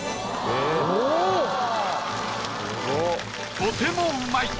とてもうまい！